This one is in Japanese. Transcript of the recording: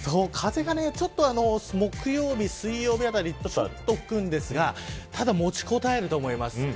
風がちょっと木曜日、水曜日あたり吹くんですがただ持ちこたえると思います。